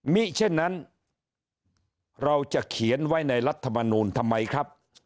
มิเช่นนั้นเราจะเขียนไว้ในรัฐมนูลทำไมครับ